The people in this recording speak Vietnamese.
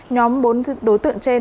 nhóm bốn đối tượng trên